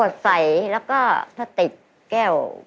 ขวดใสแล้วก็ถ้าติดแก้ว